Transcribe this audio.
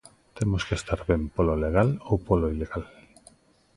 Temos que estar ben polo legal ou polo ilegal.